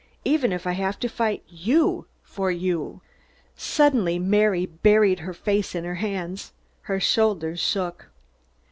Even if I have to fight you for you." Suddenly Mary buried her face in her hands. Her shoulders shook.